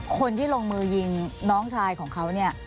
คนที่ลงมือยิงน้องชายของเขาเนี่ย